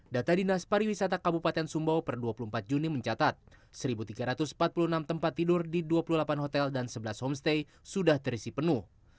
data dinas pariwisata kabupaten sumbawa per dua puluh empat juni mencatat satu tiga ratus empat puluh enam tempat tidur di dua puluh delapan hotel dan sebelas homestay sudah terisi penuh